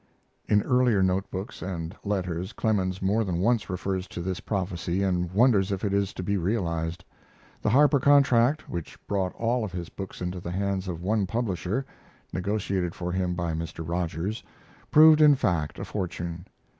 [In earlier note books and letters Clemens more than once refers to this prophecy and wonders if it is to be realized. The Harper contract, which brought all of his books into the hands of one publisher (negotiated for him by Mr. Rogers), proved, in fact, a fortune.